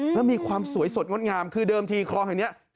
แล้วมีความสวยสดงดงามคือเดิมทีคลองแห่งนี้